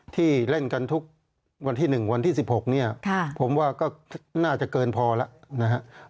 ที่เล่นกันทุกวันที่๑วันที่๑๖เนี่ยผมว่าก็น่าจะเกินพอแล้วนะครับ